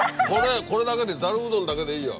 これだけでざるうどんだけでいいよ。